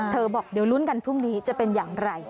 บอกเดี๋ยวลุ้นกันพรุ่งนี้จะเป็นอย่างไร